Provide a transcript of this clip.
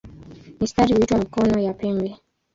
Mistari huitwa "mikono" ya pembe.